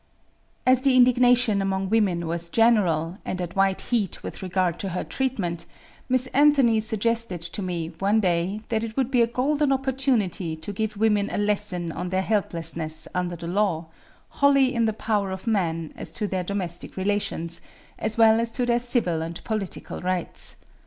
As the indignation among women was general and at white heat with regard to her treatment, Miss Anthony suggested to me, one day, that it would be a golden opportunity to give women a lesson on their helplessness under the law wholly in the power of man as to their domestic relations, as well as to their civil and political rights.